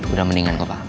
udah meninggal pak